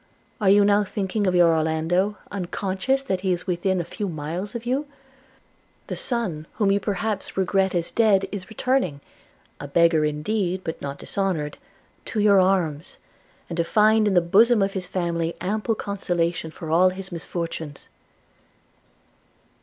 Are you now thinking of your Orlando, unconscious that he is within a few miles of you? The son whom you perhaps regret as dead is returning – a beggar indeed, but not dishonoured – to your arms, and to find in the bosom of his family ample consolation for all his misfortunes.'